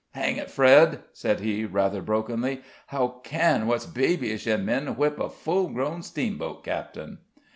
"Hang it, Fred," said he, rather brokenly; "how can what's babyish in men whip a full grown steamboat captain?"